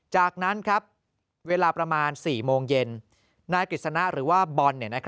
จากนั้นเวลาประมาณ๔โมงเย็นนายกฤษณะหรือว่าบอล